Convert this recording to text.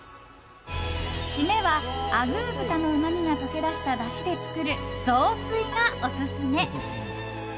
〆はあぐー豚のうまみが溶け出した、だしで作る雑炊がオススメ。